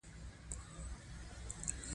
ستوني غرونه د افغانستان د سیلګرۍ برخه ده.